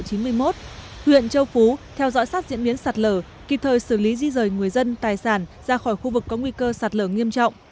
huyện châu phú theo dõi sát diễn biến sạt lở kịp thời xử lý di rời người dân tài sản ra khỏi khu vực có nguy cơ sạt lở nghiêm trọng